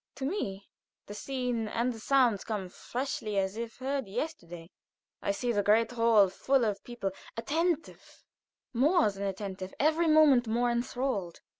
To me the scene and the sounds come freshly as if heard yesterday. I see the great hall full of people, attentive more than attentive every moment more inthralled.